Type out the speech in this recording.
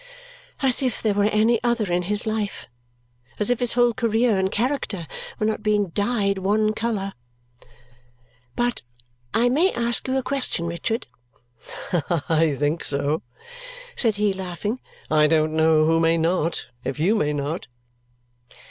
As if there were any other in his life! As if his whole career and character were not being dyed one colour! "But I may ask you a question, Richard?" "I think so," said he, laughing. "I don't know who may not, if you may not."